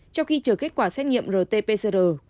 cho khi chờ kết quả xét nghiệm rt pcr